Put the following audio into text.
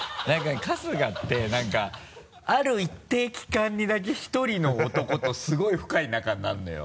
春日って何かある一定期間にだけ１人の男とすごい深い仲になるのよ。